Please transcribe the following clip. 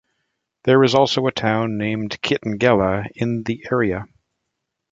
There is also a town named Kitengela in the area.